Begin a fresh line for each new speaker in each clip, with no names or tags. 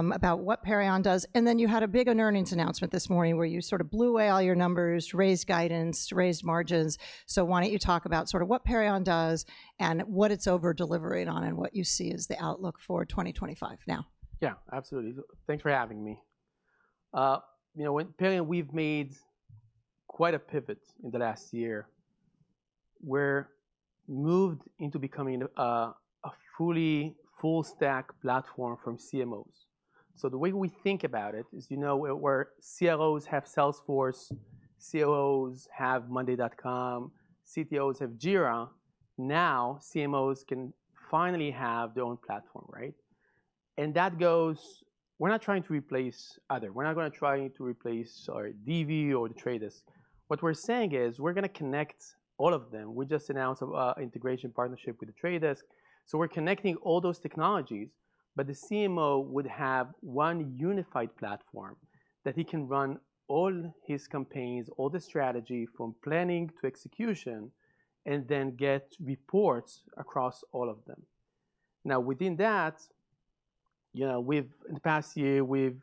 About what Perion does. You had a big earnings announcement this morning where you sort of blew away all your numbers, raised guidance, raised margins. Why do you not talk about sort of what Perion does and what it is over-delivering on and what you see as the outlook for 2025 now?
Yeah, absolutely. Thanks for having me. You know, with Perion, we've made quite a pivot in the last year. We've moved into becoming a fully full-stack platform for CMOs. The way we think about it is, you know, where CROs have Salesforce, COOs have Monday.com, CTOs have Jira, now CMOs can finally have their own platform, right? That goes, we're not trying to replace others. We're not going to try to replace our DV or The Trade Desk. What we're saying is we're going to connect all of them. We just announced an integration partnership with The Trade Desk. We're connecting all those technologies, but the CMO would have one unified platform that he can run all his campaigns, all the strategy from planning to execution, and then get reports across all of them. Now, within that, you know, in the past year, we've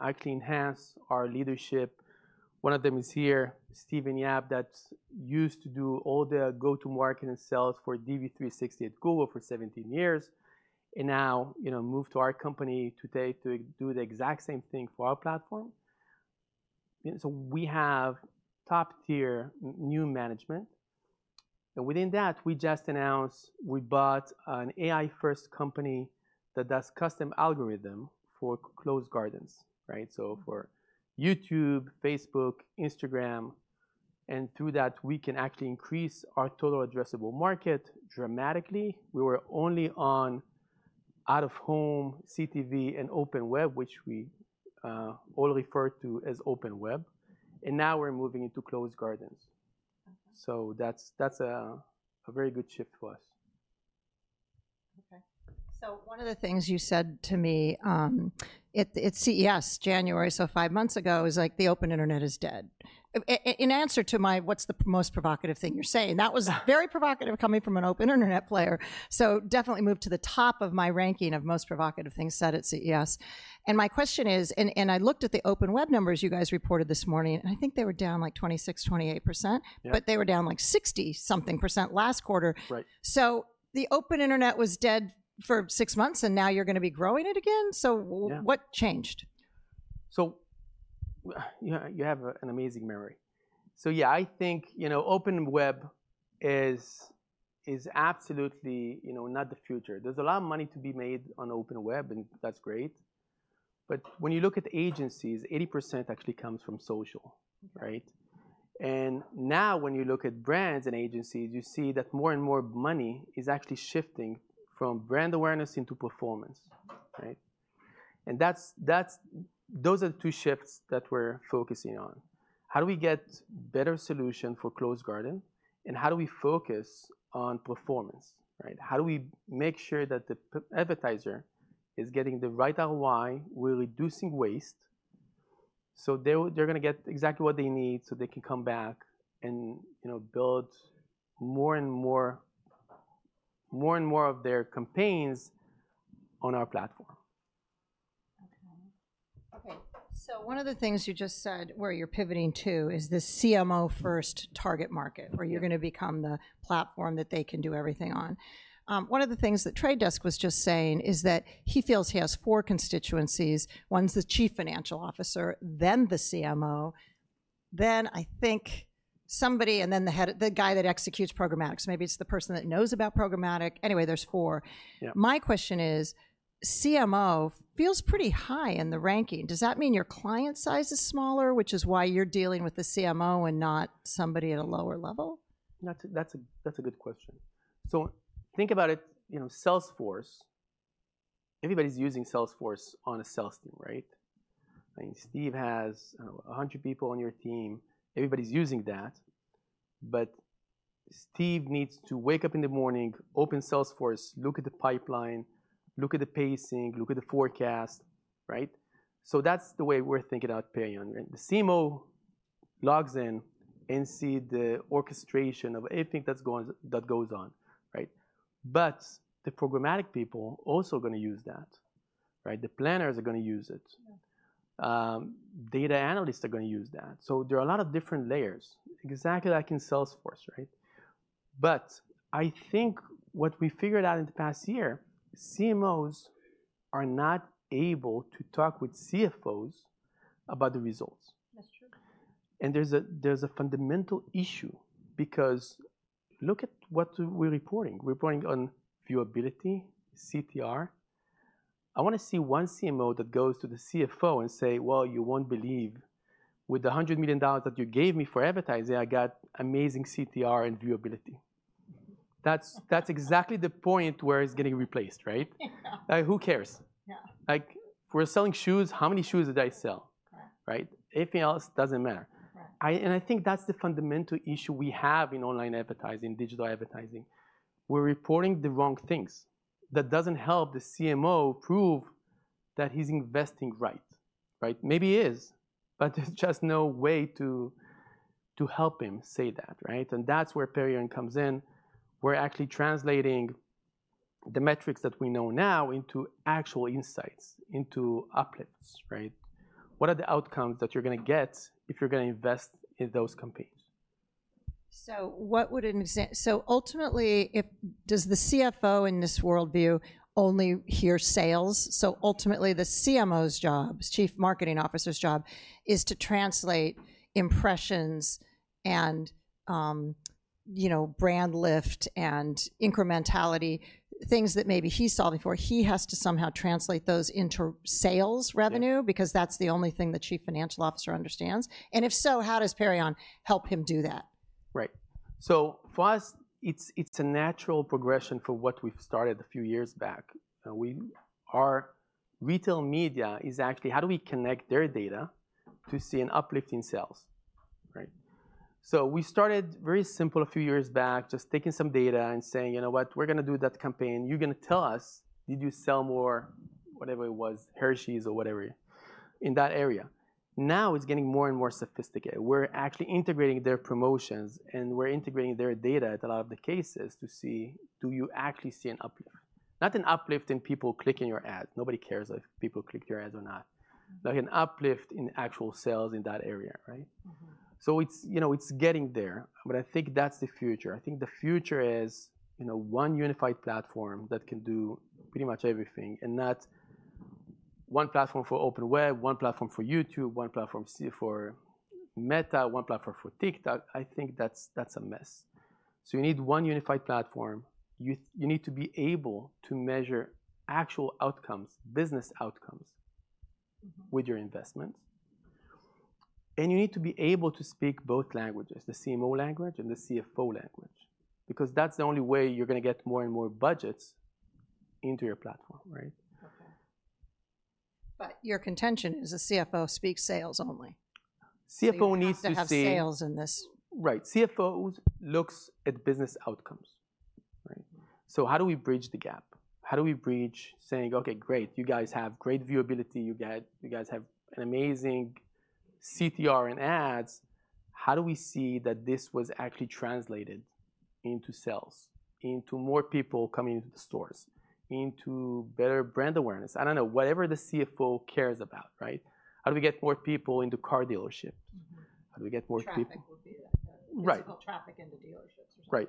actually enhanced our leadership. One of them is here, Stephen Yap, that used to do all the go-to-market and sales for DV360 at Google for 17 years. And now, you know, moved to our company today to do the exact same thing for our platform. We have top-tier new management. Within that, we just announced we bought an AI-first company that does custom algorithms for closed gardens, right? For YouTube, Facebook, Instagram. Through that, we can actually increase our total addressable market dramatically. We were only on out-of-home CTV and open web, which we all refer to as open web. Now we're moving into closed gardens. That is a very good shift for us.
Okay. One of the things you said to me at CES January, five months ago, was like, the open internet is dead. In answer to my, what's the most provocative thing you're saying? That was very provocative coming from an open internet player. Definitely moved to the top of my ranking of most provocative things said at CES. My question is, I looked at the open web numbers you guys reported this morning, and I think they were down 26%-28%, but they were down 60-something percent last quarter. The open internet was dead for six months, and now you're going to be growing it again? What changed?
You have an amazing memory. Yeah, I think, you know, open web is absolutely, you know, not the future. There's a lot of money to be made on open web, and that's great. When you look at agencies, 80% actually comes from social, right? Now when you look at brands and agencies, you see that more and more money is actually shifting from brand awareness into performance, right? Those are the two shifts that we're focusing on. How do we get better solutions for closed garden? How do we focus on performance, right? How do we make sure that the advertiser is getting the right ROI while reducing waste? They're going to get exactly what they need so they can come back and, you know, build more and more and more of their campaigns on our platform.
Okay. Okay. So one of the things you just said where you're pivoting to is the CMO-first target market, where you're going to become the platform that they can do everything on. One of the things that Trade Desk was just saying is that he feels he has four constituencies. One's the Chief Financial Officer, then the CMO, then I think somebody, and then the guy that executes programmatics. Maybe it's the person that knows about programmatic. Anyway, there's four. My question is, CMO feels pretty high in the ranking. Does that mean your client size is smaller, which is why you're dealing with the CMO and not somebody at a lower level?
That's a good question. So think about it, you know, Salesforce, everybody's using Salesforce on a sales team, right? I mean, Steve has 100 people on your team. Everybody's using that. But Steve needs to wake up in the morning, open Salesforce, look at the pipeline, look at the pacing, look at the forecast, right? That's the way we're thinking about Perion. The CMO logs in and sees the orchestration of everything that goes on, right? The programmatic people are also going to use that, right? The planners are going to use it. Data analysts are going to use that. There are a lot of different layers, exactly like in Salesforce, right? I think what we figured out in the past year, CMOs are not able to talk with CFOs about the results. There's a fundamental issue because look at what we're reporting. We're reporting on viewability, CTR. I want to see one CMO that goes to the CFO and say, you won't believe, with the $100 million that you gave me for advertising, I got amazing CTR and viewability. That's exactly the point where it's getting replaced, right? Who cares? Like, we're selling shoes. How many shoes did I sell? Right? Anything else doesn't matter. I think that's the fundamental issue we have in online advertising, digital advertising. We're reporting the wrong things. That doesn't help the CMO prove that he's investing right, right? Maybe he is, but there's just no way to help him say that, right? That's where Perion comes in. We're actually translating the metrics that we know now into actual insights, into uplifts, right? What are the outcomes that you're going to get if you're going to invest in those campaigns?
What would an example be? Ultimately, does the CFO in this worldview only hear sales? Ultimately, the CMO's job, Chief Marketing Officer's job, is to translate impressions and, you know, brand lift and incrementality, things that maybe he's solving for. He has to somehow translate those into sales revenue because that's the only thing the Chief Financial Officer understands. If so, how does Perion help him do that?
Right. So for us, it's a natural progression for what we've started a few years back. Our retail media is actually, how do we connect their data to see an uplift in sales, right? So we started very simple a few years back, just taking some data and saying, you know what, we're going to do that campaign. You're going to tell us, did you sell more, whatever it was, Hershey's or whatever, in that area? Now it's getting more and more sophisticated. We're actually integrating their promotions and we're integrating their data in a lot of the cases to see, do you actually see an uplift? Not an uplift in people clicking your ads. Nobody cares if people click your ads or not. Like an uplift in actual sales in that area, right? So it's, you know, it's getting there. I think that's the future. I think the future is, you know, one unified platform that can do pretty much everything. Not one platform for open web, one platform for YouTube, one platform for Meta, one platform for TikTok. I think that's a mess. You need one unified platform. You need to be able to measure actual outcomes, business outcomes with your investments. You need to be able to speak both languages, the CMO language and the CFO language, because that's the only way you're going to get more and more budgets into your platform, right?
Okay. Your contention is a CFO speaks sales only.
CFO needs to see.
They have to have sales in this.
Right. CFO looks at business outcomes, right? How do we bridge the gap? How do we bridge saying, okay, great, you guys have great viewability. You guys have an amazing CTR in ads. How do we see that this was actually translated into sales, into more people coming into the stores, into better brand awareness? I do not know, whatever the CFO cares about, right? How do we get more people into car dealerships? How do we get more people?
Traffic into dealerships.
Right.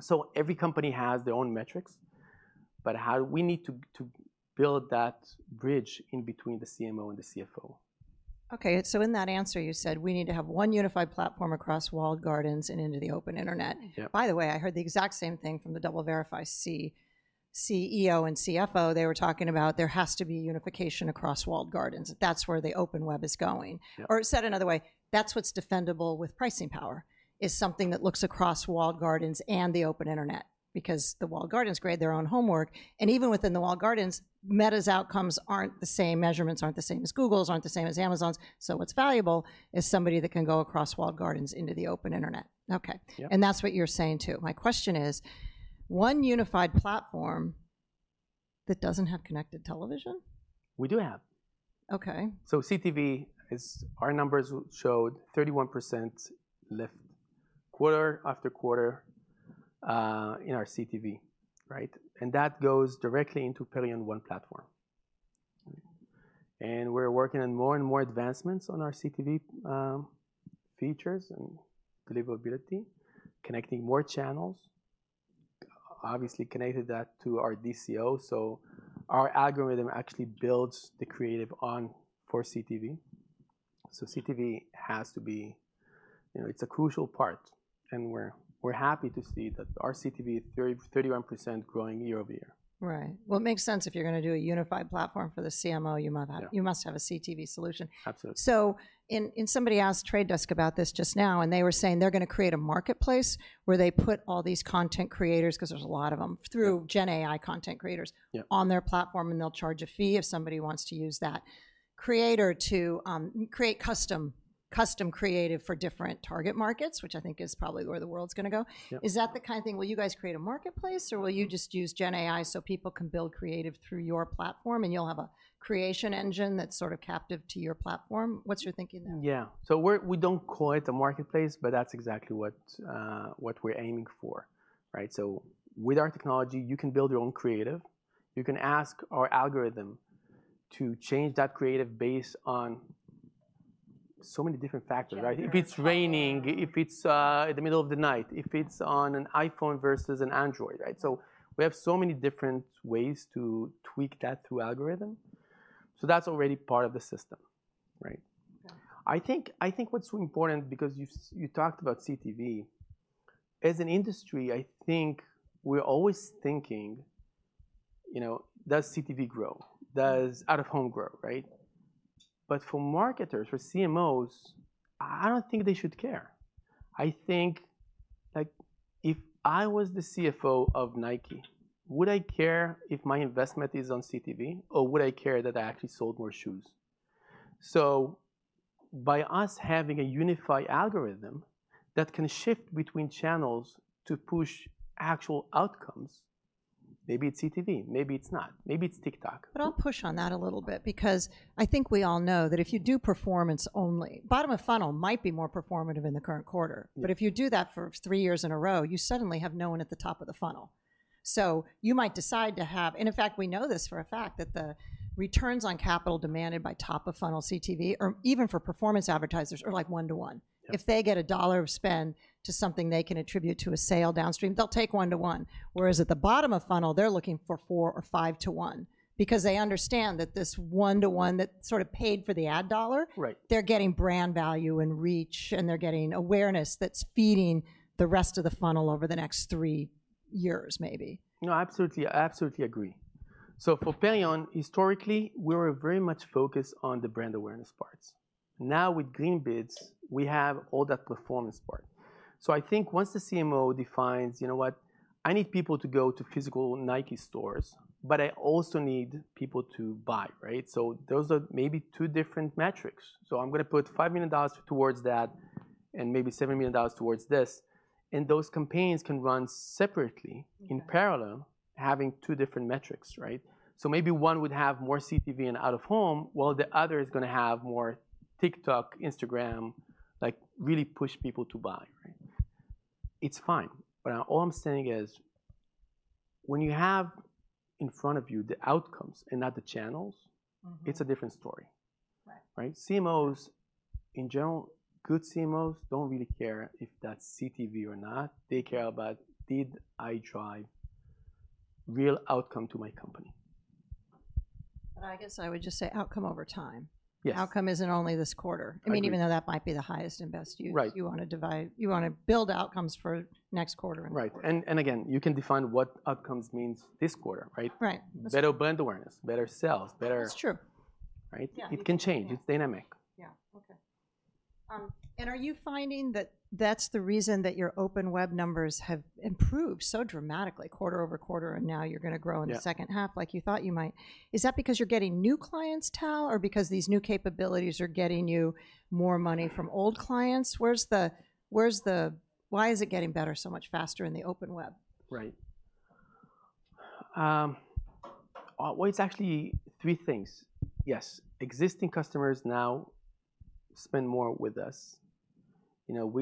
So every company has their own metrics, but how do we need to build that bridge in between the CMO and the CFO?
Okay. So in that answer, you said we need to have one unified platform across walled gardens and into the open internet. By the way, I heard the exact same thing from the DoubleVerify CEO and CFO. They were talking about there has to be unification across walled gardens. That is where the open web is going. Or said another way, that is what is defendable with pricing power, is something that looks across walled gardens and the open internet, because the walled gardens create their own homework. And even within the walled gardens, Meta's outcomes are not the same. Measurements are not the same as Google's, are not the same as Amazon's. So what is valuable is somebody that can go across walled gardens into the open internet. Okay. And that is what you are saying too. My question is, one unified platform that does not have connected television?
We do have.
Okay.
CTV is our numbers showed 31% lift quarter-after-quarter in our CTV, right? That goes directly into Perion One platform. We are working on more and more advancements on our CTV features and deliverability, connecting more channels, obviously connected that to our DCO. Our algorithm actually builds the creative on for CTV. CTV has to be, you know, it's a crucial part. We are happy to see that our CTV is 31% growing year-over-year.
Right. It makes sense if you're going to do a unified platform for the CMO, you must have a CTV solution.
Absolutely.
Somebody asked The Trade Desk about this just now, and they were saying they're going to create a marketplace where they put all these content creators, because there's a lot of them, through GenAI content creators on their platform, and they'll charge a fee if somebody wants to use that creator to create custom creative for different target markets, which I think is probably where the world's going to go. Is that the kind of thing where you guys create a marketplace, or will you just use GenAI so people can build creative through your platform and you'll have a creation engine that's sort of captive to your platform? What's your thinking there?
Yeah. We do not call it a marketplace, but that is exactly what we are aiming for, right? With our technology, you can build your own creative. You can ask our algorithm to change that creative based on so many different factors, right? If it is raining, if it is in the middle of the night, if it is on an iPhone versus an Android, right? We have so many different ways to tweak that through algorithm. That is already part of the system, right? I think what is so important, because you talked about CTV, as an industry, I think we are always thinking, you know, does CTV grow? Does out-of-home grow, right? For marketers, for CMOs, I do not think they should care. I think if I was the CFO of Nike, would I care if my investment is on CTV, or would I care that I actually sold more shoes? By us having a unified algorithm that can shift between channels to push actual outcomes, maybe it's CTV, maybe it's not, maybe it's TikTok.
I'll push on that a little bit, because I think we all know that if you do performance only, bottom of funnel might be more performative in the current quarter, but if you do that for three years in a row, you suddenly have no one at the top of the funnel. You might decide to have, and in fact, we know this for a fact, that the returns on capital demanded by top of funnel CTV, or even for performance advertisers, are like one-to-one. If they get a dollar of spend to something they can attribute to a sale downstream, they'll take one-to-one. Whereas at the bottom of funnel, they're looking for four or five-to-one, because they understand that this one-to-one that sort of paid for the ad dollar, they're getting brand value and reach, and they're getting awareness that's feeding the rest of the funnel over the next three years, maybe.
No, absolutely. I absolutely agree. For Perion, historically, we were very much focused on the brand awareness parts. Now with Greenbids, we have all that performance part. I think once the CMO defines, you know what, I need people to go to physical Nike stores, but I also need people to buy, right? Those are maybe two different metrics. I am going to put $5 million towards that and maybe $7 million towards this. Those campaigns can run separately in parallel, having two different metrics, right? Maybe one would have more CTV and out-of-home, while the other is going to have more TikTok, Instagram, like really push people to buy, right? It is fine. All I am saying is, when you have in front of you the outcomes and not the channels, it is a different story, right? CMOs, in general, good CMOs do not really care if that is CTV or not. They care about, did I drive real outcome to my company?
I guess I would just say outcome over time. Outcome is not only this quarter. I mean, even though that might be the highest and best you want to divide, you want to build outcomes for next quarter and quarter.
Right. You can define what outcomes means this quarter, right?
Right.
Better brand awareness, better sales, better.
It's true.
Right? It can change. It's dynamic.
Yeah. Okay. Are you finding that that's the reason that your open web numbers have improved so dramatically, quarter-over-quarter, and now you're going to grow in the second half like you thought you might? Is that because you're getting new clients, Tal, or because these new capabilities are getting you more money from old clients? Where's the, why is it getting better so much faster in the open web?
Right. It's actually three things. Yes. Existing customers now spend more with us. You know,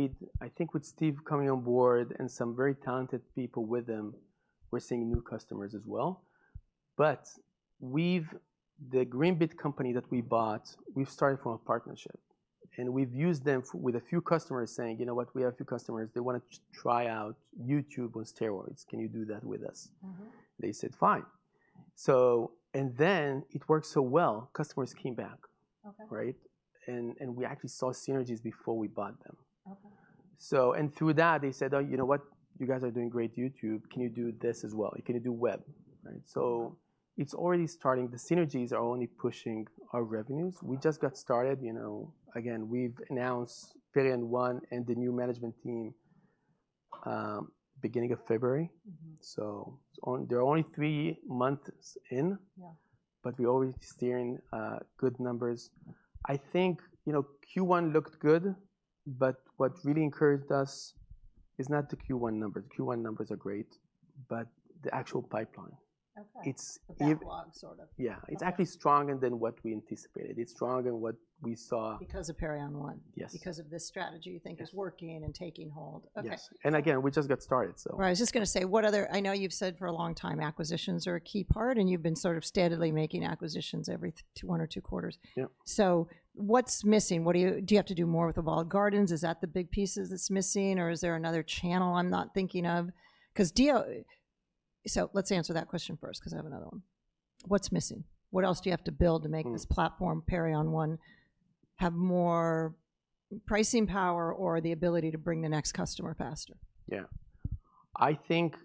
I think with Steve coming on board and some very talented people with him, we're seeing new customers as well. The Greenbids company that we bought, we started from a partnership. We've used them with a few customers saying, you know what, we have a few customers, they want to try out YouTube on steroids. Can you do that with us? They said, fine. It worked so well, customers came back, right? We actually saw synergies before we bought them. Through that, they said, oh, you know what, you guys are doing great YouTube. Can you do this as well? Can you do web, right? It's already starting. The synergies are only pushing our revenues. We just got started, you know, again, we've announced Perion One and the new management team beginning of February. So they're only three months in, but we're already steering good numbers. I think, you know, Q1 looked good, but what really encouraged us is not the Q1 numbers. Q1 numbers are great, but the actual pipeline.
Okay. That sort of...
Yeah. It's actually stronger than what we anticipated. It's stronger than what we saw.
Because of Perion One.
Yes.
Because of this strategy you think is working and taking hold. Okay.
Yes. Again, we just got started, so.
Right. I was just going to say, what other, I know you've said for a long time acquisitions are a key part, and you've been sort of steadily making acquisitions every one or two quarters.
Yeah.
What's missing? Do you have to do more with the walled gardens? Is that the big piece that's missing, or is there another channel I'm not thinking of? Because, let's answer that question first, because I have another one. What's missing? What else do you have to build to make this platform, Perion One, have more pricing power or the ability to bring the next customer faster?
Yeah. I think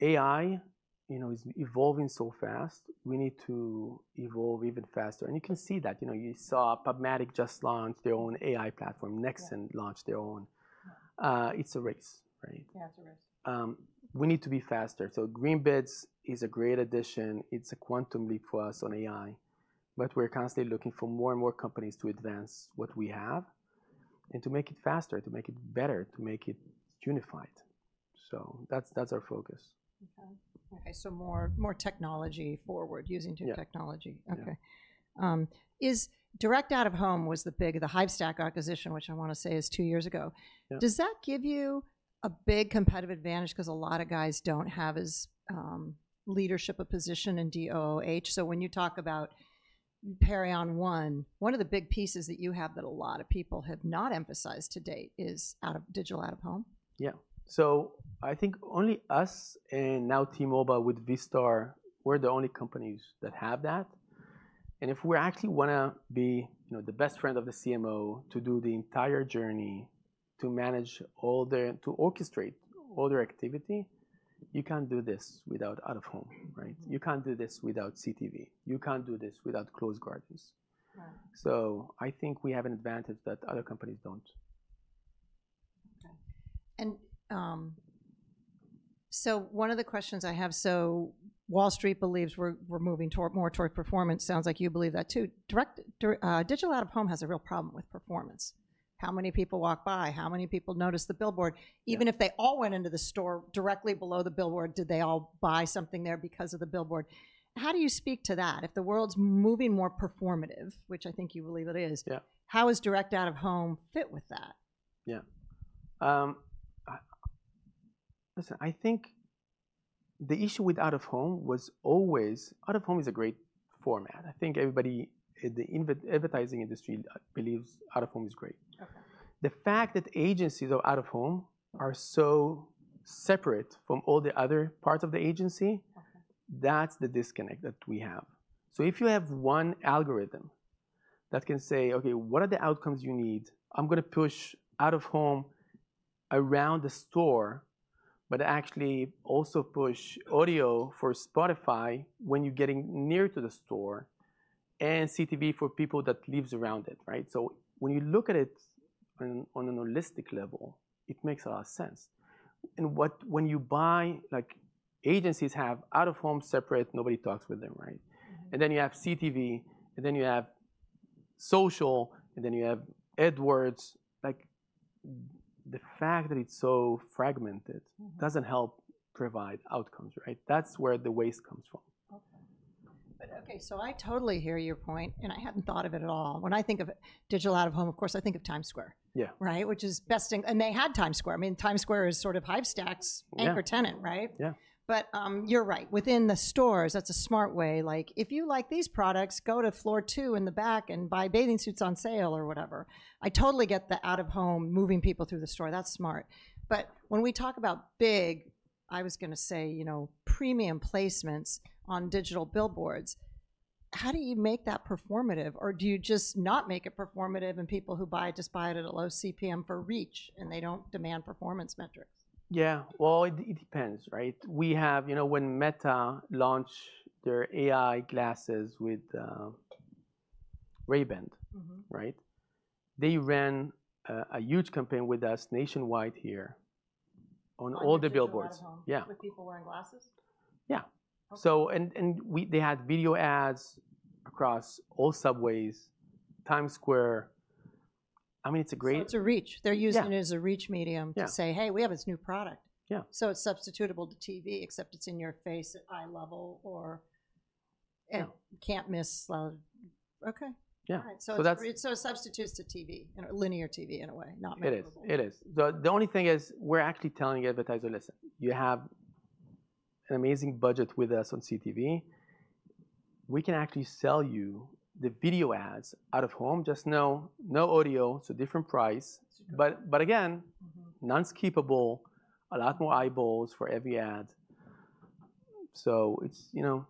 AI, you know, is evolving so fast. We need to evolve even faster. And you can see that, you know, you saw PubMatic just launched their own AI platform. Nexon launched their own. It's a race, right?
Yeah, it's a race.
We need to be faster. Greenbids is a great addition. It is a quantum leap for us on AI. We are constantly looking for more and more companies to advance what we have and to make it faster, to make it better, to make it unified. That is our focus.
Okay. Okay. So more technology forward, using technology.
Yeah.
Okay. Direct out-of-home was the big, the Hivestack acquisition, which I want to say is two years ago. Does that give you a big competitive advantage? Because a lot of guys do not have as leadership a position in DOOH. When you talk about Perion One, one of the big pieces that you have that a lot of people have not emphasized to date is digital out-of-home.
Yeah. I think only us and now T-Mobile with Vistar, we're the only companies that have that. If we actually want to be the best friend of the CMO to do the entire journey, to manage all their, to orchestrate all their activity, you can't do this without out-of-home, right? You can't do this without CTV. You can't do this without closed gardens. I think we have an advantage that other companies don't.
Okay. One of the questions I have, Wall Street believes we're moving more toward performance. Sounds like you believe that too. Digital out-of-home has a real problem with performance. How many people walk by? How many people notice the billboard? Even if they all went into the store directly below the billboard, did they all buy something there because of the billboard? How do you speak to that? If the world's moving more performative, which I think you believe it is, how does digital out-of-home fit with that?
Yeah. Listen, I think the issue with out-of-home was always, out-of-home is a great format. I think everybody in the advertising industry believes out-of-home is great. The fact that agencies of out-of-home are so separate from all the other parts of the agency, that's the disconnect that we have. If you have one algorithm that can say, okay, what are the outcomes you need? I'm going to push out-of-home around the store, but actually also push audio for Spotify when you're getting near to the store and CTV for people that live around it, right? When you look at it on a holistic level, it makes a lot of sense. When you buy, like agencies have out-of-home separate, nobody talks with them, right? You have CTV, and then you have social, and then you have AdWords, like the fact that it's so fragmented doesn't help provide outcomes, right? That's where the waste comes from.
Okay. Okay. So I totally hear your point, and I hadn't thought of it at all. When I think of digital out-of-home, of course, I think of Times Square, right? Which is best thing, and they had Times Square. I mean, Times Square is sort of Hivestack's anchor tenant, right?
Yeah.
You're right. Within the stores, that's a smart way. Like if you like these products, go to floor two in the back and buy bathing suits on sale or whatever. I totally get the out-of-home moving people through the store. That's smart. When we talk about big, I was going to say, you know, premium placements on digital billboards, how do you make that performative? Or do you just not make it performative and people who buy it just buy it at a low CPM for reach and they don't demand performance metrics?
Yeah. It depends, right? We have, you know, when Meta launched their AI glasses with Ray-Ban, right? They ran a huge campaign with us nationwide here on all the billboards.
With people wearing glasses?
Yeah. So, and they had video ads across all subways, Times Square. I mean, it's a great.
It's a reach. They're using it as a reach medium to say, hey, we have this new product.
Yeah.
It's substitutable to TV, except it's in your face at eye level or can't miss. Okay.
Yeah.
It substitutes to TV, linear TV in a way, not mappable.
It is. It is. The only thing is we're actually telling the advertiser, listen, you have an amazing budget with us on CTV. We can actually sell you the video ads out of home, just no audio, so different price. Again, non-skippable, a lot more eyeballs for every ad. So it's, you know,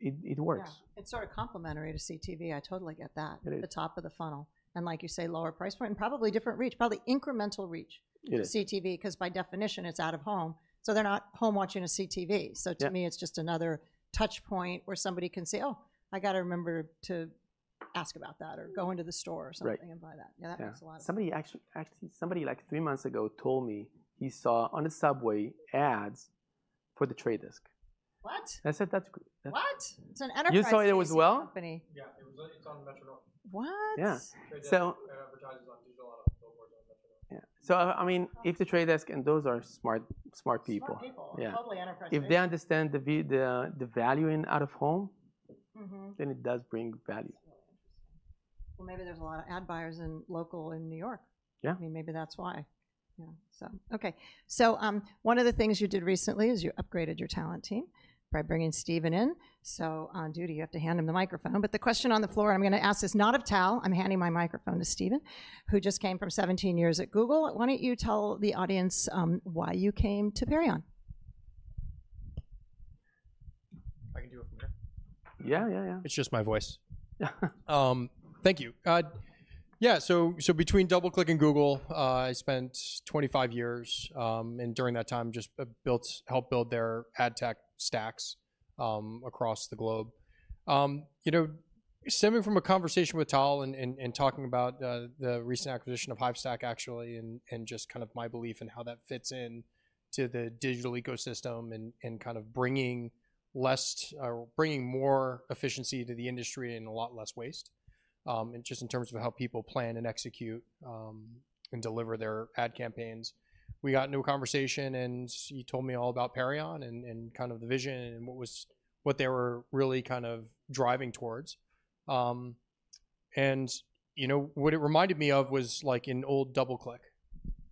it works.
Yeah. It's sort of complementary to CTV. I totally get that. The top of the funnel. Like you say, lower price point and probably different reach, probably incremental reach to CTV, because by definition it's out-of-home. They're not home watching a CTV. To me, it's just another touchpoint where somebody can say, oh, I got to remember to ask about that or go into the store or something and buy that. Yeah, that makes a lot of sense.
Somebody actually, somebody like three months ago told me he saw on the subway ads for The Trade Desk.
What?
I said that's.
What? It's an enterprise company.
You saw it as well?
Yeah.
It's on Metro-North.
What?
Yeah. I have advertisers on digital out-of-home billboards on Metro-North. Yeah. I mean, if The Trade Desk, and those are smart people.
Smart people. Totally enterprise people.
If they understand the value in out-of-home, then it does bring value.
Maybe there's a lot of ad buyers in local in New York.
Yeah.
I mean, maybe that's why. Yeah. Okay. One of the things you did recently is you upgraded your talent team by bringing Stephen in. On duty, you have to hand him the microphone. The question on the floor, I'm going to ask this, not of Tal. I'm handing my microphone to Stephen, who just came from 17 years at Google. Why don't you tell the audience why you came to Perion?
I can do it from here?
Yeah, yeah.
It's just my voice. Thank you. Yeah. Between DoubleClick and Google, I spent 25 years, and during that time, just helped build their ad tech stacks across the globe. You know, stemming from a conversation with Tal and talking about the recent acquisition of Hivestack, actually, and just kind of my belief and how that fits into the digital ecosystem and kind of bringing less or bringing more efficiency to the industry and a lot less waste, just in terms of how people plan and execute and deliver their ad campaigns. We got into a conversation, and you told me all about Perion and kind of the vision and what they were really kind of driving towards. You know, what it reminded me of was like an old DoubleClick,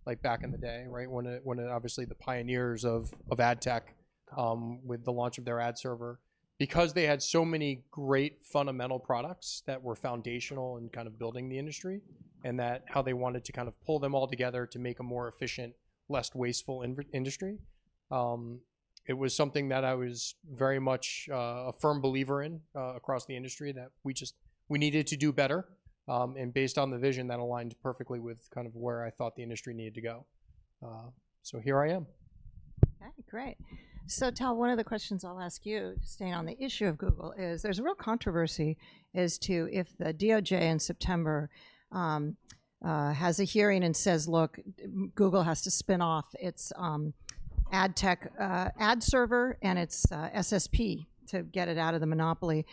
like back in the day, right? When obviously the pioneers of ad tech with the launch of their ad server, because they had so many great fundamental products that were foundational in kind of building the industry and that how they wanted to kind of pull them all together to make a more efficient, less wasteful industry. It was something that I was very much a firm believer in across the industry that we just, we needed to do better. Based on the vision, that aligned perfectly with kind of where I thought the industry needed to go. Here I am.
Okay. Great. Tal, one of the questions I'll ask you, staying on the issue of Google, is there's a real controversy as to if the DOJ in September has a hearing and says, look, Google has to spin off its ad tech, ad server and its SSP to get it out of the monopoly.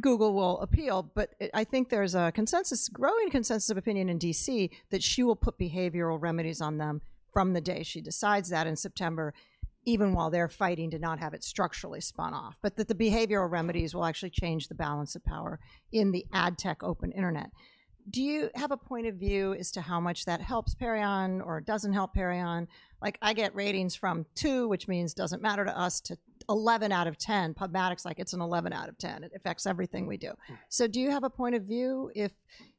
Google will appeal, but I think there's a consensus, growing consensus of opinion in D.C. that she will put behavioral remedies on them from the day she decides that in September, even while they're fighting to not have it structurally spun off, but that the behavioral remedies will actually change the balance of power in the ad tech open internet. Do you have a point of view as to how much that helps Perion or doesn't help Perion? Like I get ratings from two, which means doesn't matter to us, to 11 out of 10. PubMatic's like it's an 11 out of 10. It affects everything we do. Do you have a point of view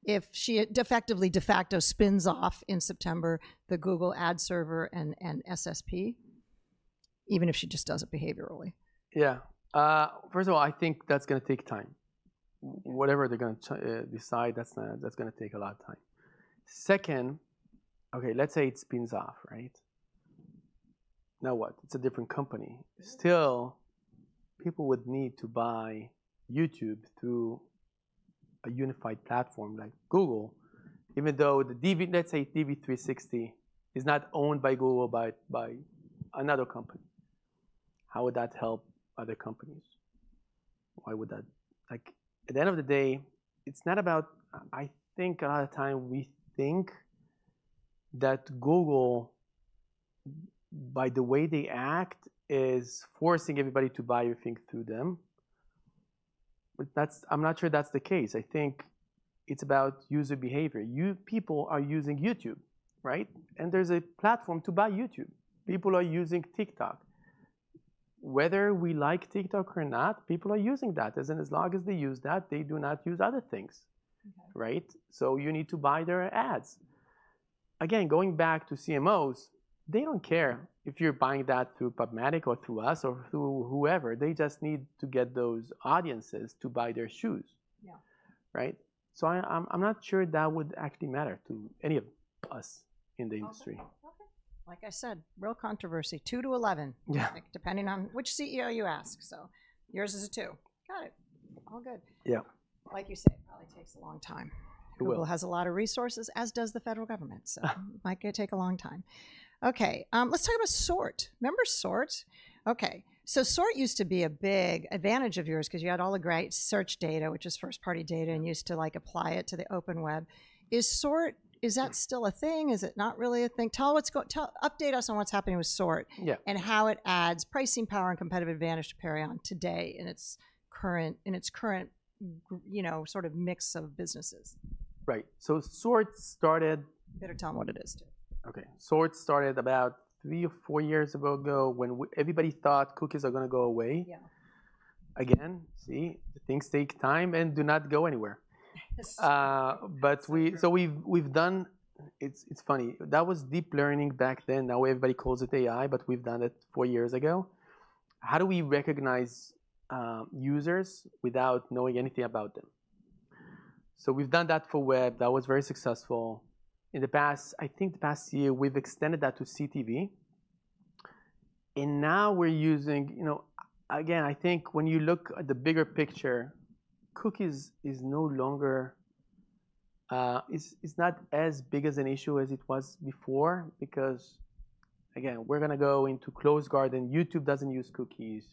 if she effectively de facto spins off in September the Google ad server and SSP, even if she just does it behaviorally?
Yeah. First of all, I think that's going to take time. Whatever they're going to decide, that's going to take a lot of time. Second, okay, let's say it spins off, right? Now what? It's a different company. Still, people would need to buy YouTube through a unified platform like Google, even though the, let's say, DV360 is not owned by Google, by another company. How would that help other companies? Why would that? Like at the end of the day, it's not about, I think a lot of time we think that Google, by the way they act, is forcing everybody to buy your thing through them. I'm not sure that's the case. I think it's about user behavior. People are using YouTube, right? And there's a platform to buy YouTube. People are using TikTok. Whether we like TikTok or not, people are using that. As long as they use that, they do not use other things, right? You need to buy their ads. Again, going back to CMOs, they do not care if you are buying that through PubMatic or through us or through whoever. They just need to get those audiences to buy their shoes, right? I am not sure that would actually matter to any of us in the industry.
Okay. Like I said, real controversy. Two to 11, depending on which CEO you ask. So yours is a two. Got it. All good.
Yeah.
Like you say, it probably takes a long time. Google has a lot of resources, as does the federal government. It might take a long time. Okay. Let's talk about SORT. Remember Sort? Okay. SORT used to be a big advantage of yours because you had all the great search data, which is first-party data, and used to like apply it to the open web. Is SORT, is that still a thing? Is it not really a thing? Tal, update us on what's happening with SORT and how it adds pricing power and competitive advantage to Perion today and its current, you know, sort of mix of businesses.
Right. So SORT started.
Better tell them what it is too.
Okay. SORT started about three or four years ago when everybody thought cookies are going to go away. Again, see, things take time and do not go anywhere. What we've done, it's funny, that was deep learning back then. Now everybody calls it AI, but we've done it four years ago. How do we recognize users without knowing anything about them? We've done that for web. That was very successful. In the past, I think the past year, we've extended that to CTV. Now we're using, you know, again, I think when you look at the bigger picture, cookies is no longer, it's not as big of an issue as it was before because, again, we're going to go into closed garden. YouTube doesn't use cookies.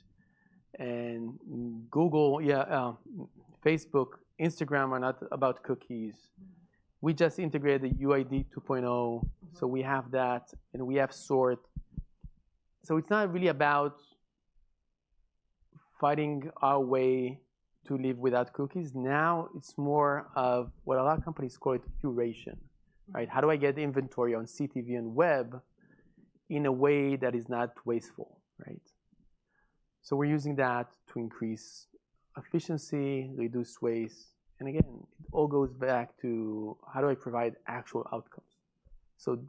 Google, yeah, Facebook, Instagram are not about cookies. We just integrated the UID 2.0. We have that and we have SORT. It is not really about fighting our way to live without cookies. Now it is more of what a lot of companies call curation, right? How do I get inventory on CTV and web in a way that is not wasteful, right? We are using that to increase efficiency, reduce waste. Again, it all goes back to how do I provide actual outcomes?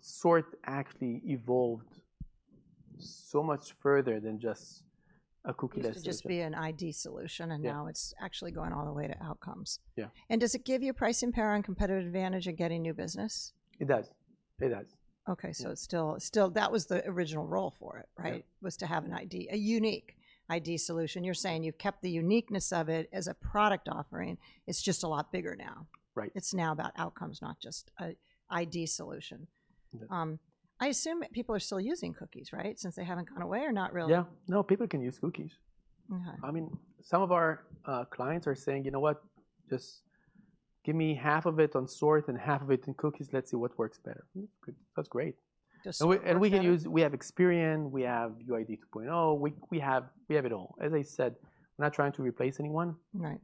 SORT actually evolved so much further than just a cookie list.
It used to just be an ID solution, and now it's actually going all the way to outcomes.
Yeah.
Does it give you pricing power and competitive advantage in getting new business?
It does.
Okay. Still, that was the original role for it, right? Was to have an ID, a unique ID solution. You're saying you've kept the uniqueness of it as a product offering. It's just a lot bigger now.
Right.
It's now about outcomes, not just an ID solution. I assume people are still using cookies, right? Since they haven't gone away or not really?
Yeah. No, people can use cookies. I mean, some of our clients are saying, you know what, just give me half of it on SORT and half of it in cookies. Let's see what works better. That's great. We can use, we have Experian, we have UID 2.0. We have it all. As I said, we're not trying to replace anyone. You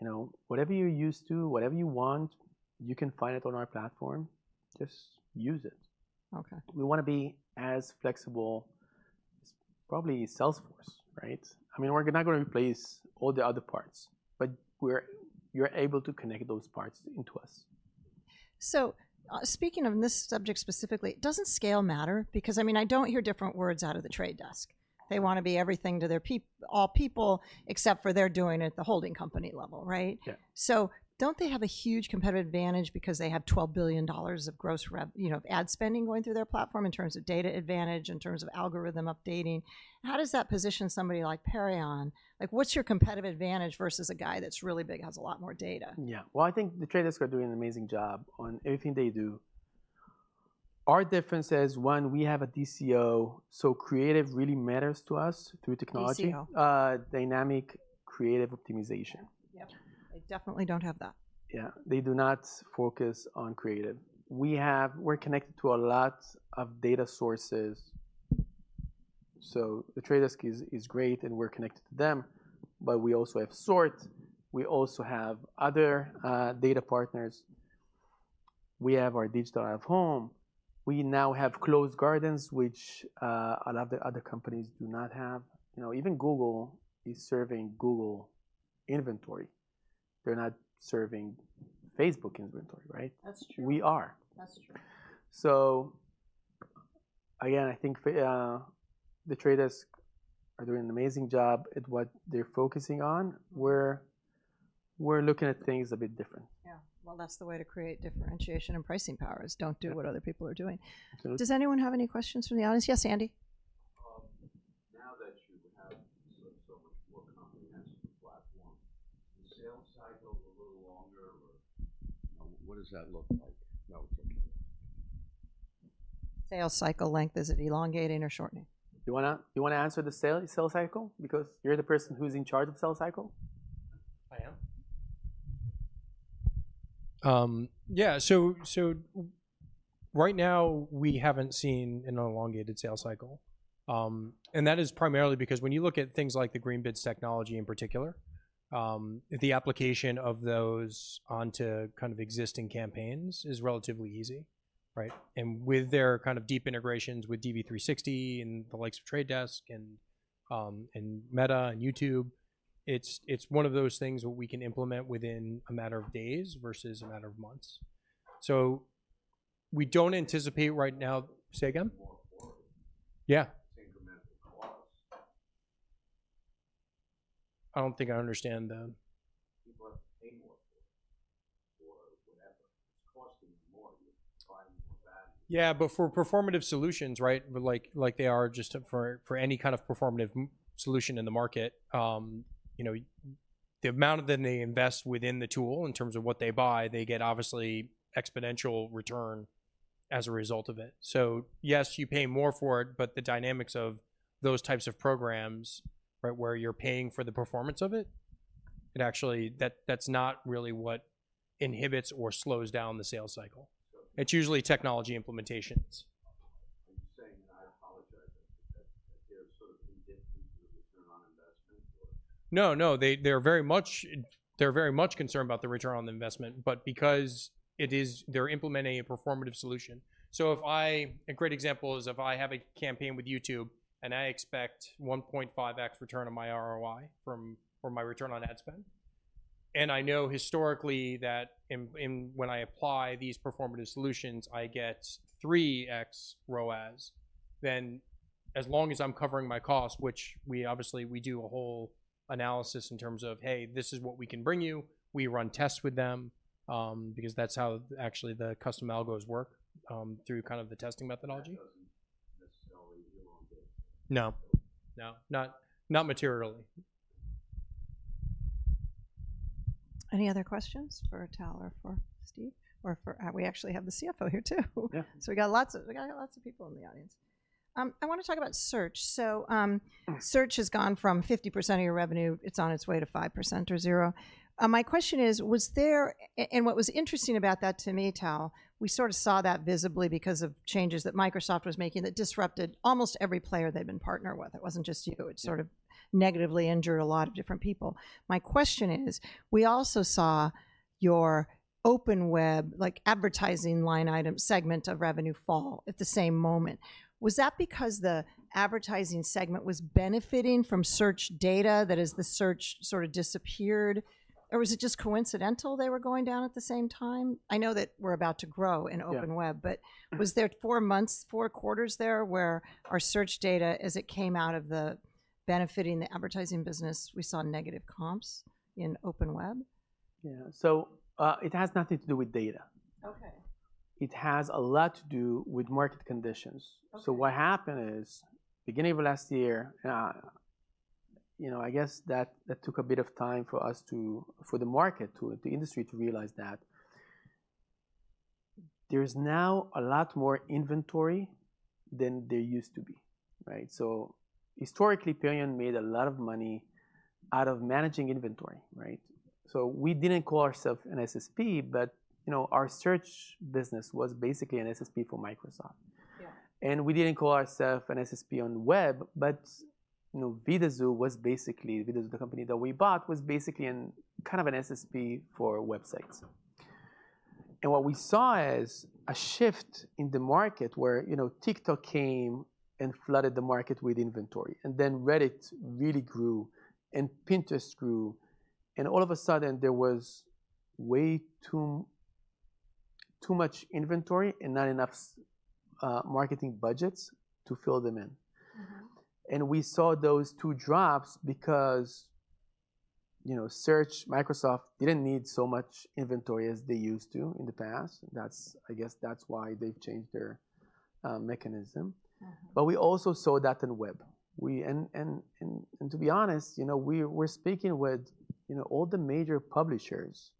know, whatever you're used to, whatever you want, you can find it on our platform. Just use it. We want to be as flexible as probably Salesforce, right? I mean, we're not going to replace all the other parts, but you're able to connect those parts into us.
Speaking of this subject specifically, doesn't scale matter? Because I mean, I don't hear different words out of The Trade Desk. They want to be everything to all people except for they're doing it at the holding company level, right?
Yeah.
Don't they have a huge competitive advantage because they have $12 billion of gross, you know, of ad spending going through their platform in terms of data advantage, in terms of algorithm updating? How does that position somebody like Perion? Like what's your competitive advantage versus a guy that's really big, has a lot more data?
Yeah. I think The Trade Desk are doing an amazing job on everything they do. Our difference is, one, we have a DCO, so creative really matters to us through technology.
DCO.
Dynamic creative optimization.
Yep. They definitely don't have that.
Yeah. They do not focus on creative. We're connected to a lot of data sources. The Trade Desk is great and we're connected to them, but we also have SORT. We also have other data partners. We have our digital out-of-home. We now have closed gardens, which a lot of the other companies do not have. You know, even Google is serving Google inventory. They're not serving Facebook inventory, right?
That's true.
We are.
That's true.
Again, I think The Trade Desk are doing an amazing job at what they're focusing on. We're looking at things a bit different.
Yeah. That is the way to create differentiation and pricing powers. Do not do what other people are doing. Does anyone have any questions from the audience? Yes, Andy.
Now that you have so much more comprehensive platform, the sales cycle a little longer, what does that look like? No, it's okay.
Sales cycle length, is it elongating or shortening?
Do you want to answer the sales cycle? Because you're the person who's in charge of sales cycle.
I am. Yeah. Right now, we haven't seen an elongated sales cycle. That is primarily because when you look at things like the Greenbids technology in particular, the application of those onto kind of existing campaigns is relatively easy, right? With their kind of deep integrations with DV360 and the likes of The Trade Desk and Meta and YouTube, it's one of those things that we can implement within a matter of days versus a matter of months. We don't anticipate right now. Say again?
More affordable.
Yeah.
It's incremental costs.
I don't think I understand that
People are paying more for it or whatever. It's costing you more. You're buying more value.
Yeah. For performative solutions, right? Like they are just for any kind of performative solution in the market, you know, the amount that they invest within the tool in terms of what they buy, they get obviously exponential return as a result of it. Yes, you pay more for it, but the dynamics of those types of programs, right, where you're paying for the performance of it, it actually, that's not really what inhibits or slows down the sales cycle. It's usually technology implementations.
Are you saying that I apologize that they're sort of indifferent to the return on investment?
No, no. They're very much concerned about the return on the investment, but because it is, they're implementing a performative solution. If I, a great example is if I have a campaign with YouTube and I expect 1.5x return on my ROI from my return on ad spend, and I know historically that when I apply these performative solutions, I get 3x ROAS, then as long as I'm covering my cost, which we obviously, we do a whole analysis in terms of, hey, this is what we can bring you. We run tests with them because that's how actually the custom algos work through kind of the testing methodology.
It doesn't necessarily elongate.
No. No, not materially.
Any other questions for Tal or for Steve? Or we actually have the CFO here too. So we got lots of people in the audience. I want to talk about search. So search has gone from 50% of your revenue. It's on its way to 5% or zero. My question is, was there, and what was interesting about that to me, Tal, we sort of saw that visibly because of changes that Microsoft was making that disrupted almost every player they've been partnered with. It wasn't just you. It sort of negatively injured a lot of different people. My question is, we also saw your open web, like advertising line item segment of revenue fall at the same moment. Was that because the advertising segment was benefiting from search data that as the search sort of disappeared? Or was it just coincidental they were going down at the same time? I know that we're about to grow in open web, but was there four months, four quarters there where our search data, as it came out of the benefiting the advertising business, we saw negative comps in open web?
Yeah. It has nothing to do with data.
Okay.
It has a lot to do with market conditions. What happened is, beginning of last year, you know, I guess that took a bit of time for us to, for the market, the industry to realize that there's now a lot more inventory than there used to be, right? Historically, Perion made a lot of money out of managing inventory, right? We did not call ourselves an SSP, but you know, our search business was basically an SSP for Microsoft. We did not call ourselves an SSP on web, but you know, Vidazoo was basically, Vidazoo, the company that we bought, was basically kind of an SSP for websites. What we saw is a shift in the market where, you know, TikTok came and flooded the market with inventory. Then Reddit really grew and Pinterest grew. All of a sudden, there was way too much inventory and not enough marketing budgets to fill them in. We saw those two drops because, you know, search, Microsoft did not need so much inventory as they used to in the past. I guess that is why they have changed their mechanism. We also saw that in web. To be honest, you know, we are speaking with, you know, all the major publishers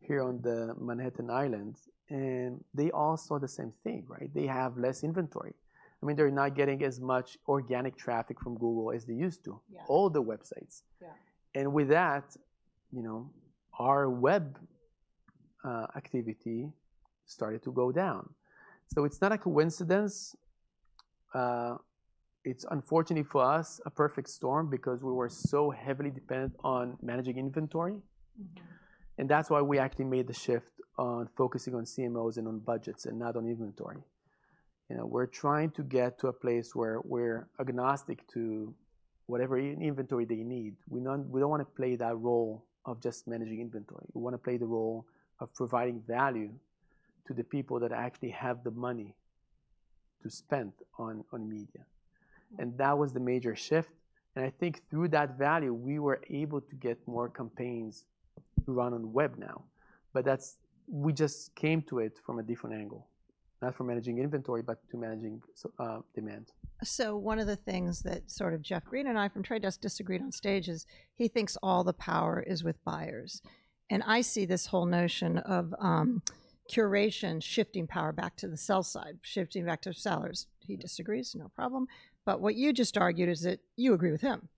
here on Manhattan Island and they all saw the same thing, right? They have less inventory. I mean, they are not getting as much organic traffic from Google as they used to. All the websites. With that, you know, our web activity started to go down. It is not a coincidence. It is unfortunately for us a perfect storm because we were so heavily dependent on managing inventory. That is why we actually made the shift on focusing on CMOs and on budgets and not on inventory. You know, we're trying to get to a place where we're agnostic to whatever inventory they need. We don't want to play that role of just managing inventory. We want to play the role of providing value to the people that actually have the money to spend on media. That was the major shift. I think through that value, we were able to get more campaigns to run on web now. We just came to it from a different angle, not from managing inventory, but to managing demand.
One of the things that sort of Jeff Green and I from The Trade Desk disagreed on stage is he thinks all the power is with buyers. I see this whole notion of curation shifting power back to the sell side, shifting back to sellers. He disagrees, no problem. What you just argued is that you agree with him,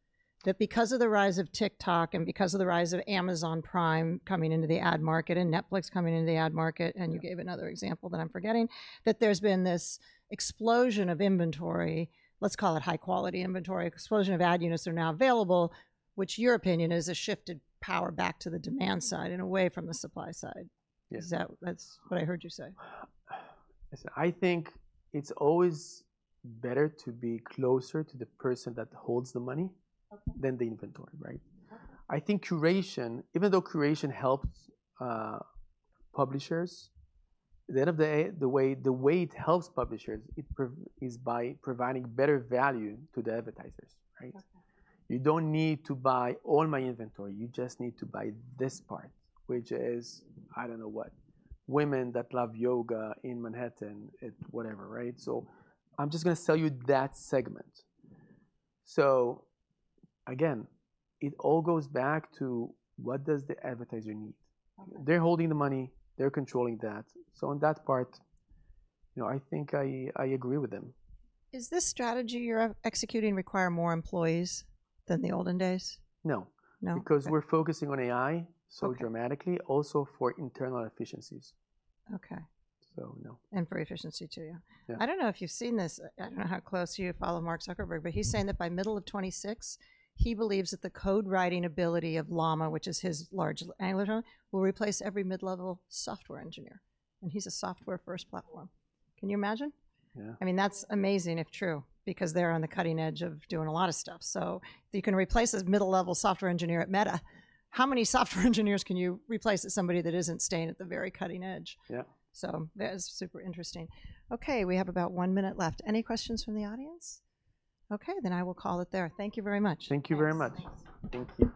that because of the rise of TikTok and because of the rise of Amazon Prime coming into the ad market and Netflix coming into the ad market, and you gave another example that I'm forgetting, that there's been this explosion of inventory, let's call it high quality inventory, explosion of ad units that are now available, which your opinion is a shifted power back to the demand side and away from the supply side. Is that what I heard you say?
I think it's always better to be closer to the person that holds the money than the inventory, right? I think curation, even though curation helps publishers, at the end of the day, the way it helps publishers is by providing better value to the advertisers, right? You don't need to buy all my inventory. You just need to buy this part, which is, I don't know what, women that love yoga in Manhattan at whatever, right? I'm just going to sell you that segment. Again, it all goes back to what does the advertiser need? They're holding the money. They're controlling that. On that part, you know, I think I agree with them.
Is this strategy you're executing require more employees than the olden days?
No.
No?
Because we're focusing on AI so dramatically, also for internal efficiencies.
Okay.
So no.
For efficiency too, yeah. I do not know if you have seen this. I do not know how close you follow Mark Zuckerberg, but he is saying that by middle of 2026, he believes that the code writing ability of Llama, which is his large language model, will replace every mid-level software engineer. He is a software-first platform. Can you imagine?
Yeah.
I mean, that's amazing if true, because they're on the cutting edge of doing a lot of stuff. So you can replace this middle-level software engineer at Meta. How many software engineers can you replace at somebody that isn't staying at the very cutting edge?
Yeah.
That is super interesting. Okay, we have about one minute left. Any questions from the audience? Okay, then I will call it there. Thank you very much.
Thank you very much. Thank you.